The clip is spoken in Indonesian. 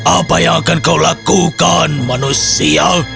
apa yang akan kau lakukan manusia